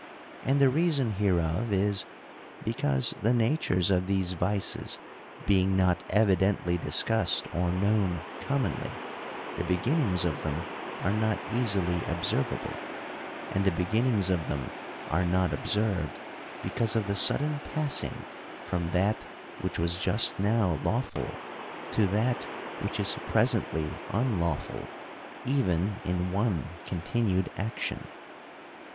And the reason hereof is, because, the natures of these vices being not evidently discussed or known commonly, the beginnings of them are not easily observable : and the beginnings of them are not THE COUNTRY PARSON. 57 observed, because of the sudden passing from that which was just now lawful, to that which is presently unlawful even in one continued action.